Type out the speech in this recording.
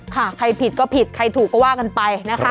ใครผิดก็ผิดใครถูกก็ว่ากันไปนะคะ